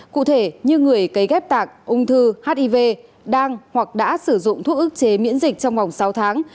cụ thể như người cấy ghép tạng ung thư hiv đang hoặc đã sử dụng thuốc ức chế miễn dịch trong vòng sáu tháng